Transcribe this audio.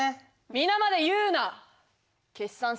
皆まで言うな！